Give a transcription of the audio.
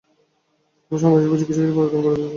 তবে সময়োপযোগী কিছু কিছু পরিবর্তন করে দিতে হবে।